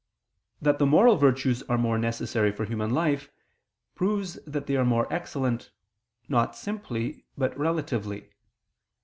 That the moral virtues are more necessary for human life, proves that they are more excellent, not simply, but relatively.